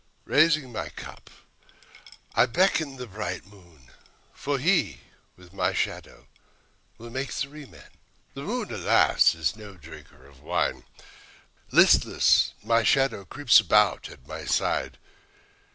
Raising my cup I beckon the bright moon, For he, with my shadow, will make three men. The moon, alas, is no drinker of wine; Listless, my shadow creeps about at my side.